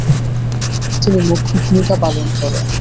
তিনি মুখ্য ভূমিকা পালন করেন।